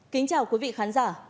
kính chào quý vị khán giả